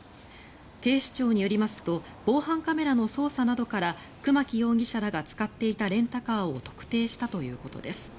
警視庁によりますと防犯カメラの捜査などから熊木容疑者らが使っていたレンタカーを特定したということです。